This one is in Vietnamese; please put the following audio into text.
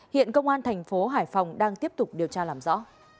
hiện công an tp hải phòng đang tiếp tục điều tra làm rõ